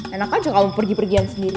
enak aja kamu pergi pergian sendiri